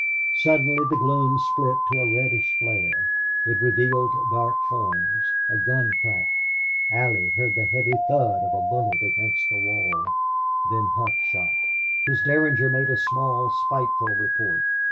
Suddenly the gloom split to a reddish flare. It revealed dark forms. A gun cracked. Allie heard the heavy thud of a bullet against the wall. Then Hough shot. His derringer made a small, spiteful report.